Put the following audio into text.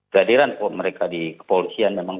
kehadiran mereka di kepolisian memang